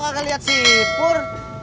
gue gak kelihatan sipur